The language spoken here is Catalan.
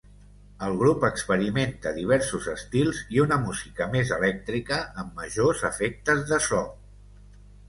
El grup experimenta diversos estils i una música més elèctrica amb majors efectes de so.